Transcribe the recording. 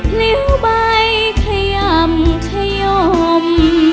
พลิ้วใบขย่ำขยม